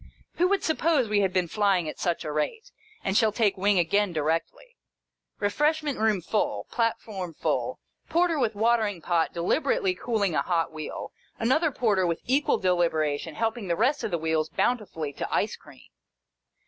Who would suppose we had been flying at such a rate, and shall take wing again directly 1 Eefreshment room full, platform full, porter with watering pot deliberately cooling a hot wheel, another porter with equal deliberation helping the rest of the wheels bountifully to ice cream.